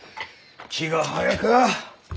気が早か！